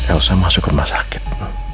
elsa di rumah sakit